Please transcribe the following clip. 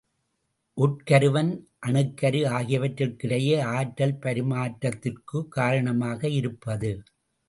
உட்கருவன், அணுக்கரு ஆகியவற்றிற் கிடையே ஆற்றல் பரிமாற்றத்திற்குக் காரணமாக இருப்பது.